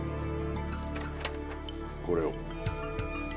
これを。